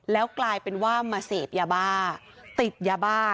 แล้วกลายเป็นว่ามาเสพยาบ้าติดยาบ้า